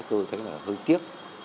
tôi thấy là hơi tiếc